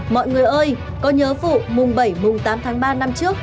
mọi người ơi có nhớ vụ mùng bảy mùng tám tháng ba năm trước